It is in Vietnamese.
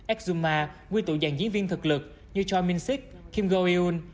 exuma nguyên tụ dàn diễn viên thực lực như choi min sik kim go eun